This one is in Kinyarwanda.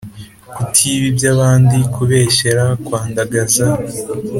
Kutiba iby’abandi, kubeshyera, kwandagaza,